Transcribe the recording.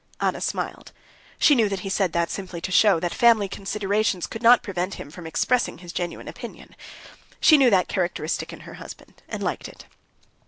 Anna smiled. She knew that he said that simply to show that family considerations could not prevent him from expressing his genuine opinion. She knew that characteristic in her husband, and liked it.